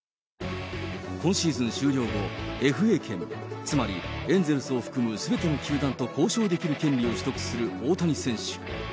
今シーズン終了後、ＦＡ権、つまり、エンゼルスを含むすべての球団と交渉できる権利を取得する大谷選手。